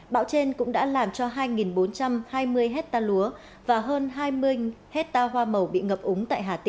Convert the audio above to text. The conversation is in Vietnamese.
bão trên cũng đã làm cho hai bốn trăm hai mươi hết ta lúa và hơn hai mươi hết ta hoa màu bị ngập úng